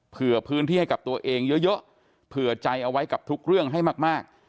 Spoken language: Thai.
เผื่อพื้นที่ให้กับตัวเองเยอะเผื่อใจเอาไว้กับทุกเรื่องให้มาก